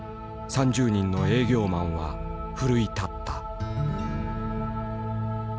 ３０人の営業マンは奮い立った。